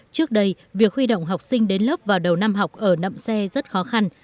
trước đây việc huy động học sinh đến lớp vào đầu năm học ở nậm xe rất khó khăn